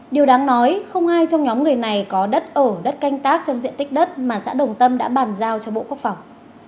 điều đáng nói không ai trong nhóm người này có đất ở đất canh tác trên diện tích đất mà xã đồng tâm đã bàn giao cho bộ quốc phòng